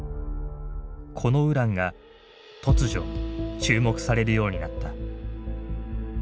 このウランが突如注目されるようになった。